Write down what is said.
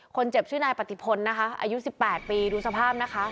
คนเจ็บชื่อนายปฏิพลนะคะอายุ๑๘ปีดูสภาพนะคะ